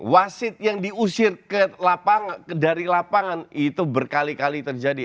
wasit yang diusir dari lapangan itu berkali kali terjadi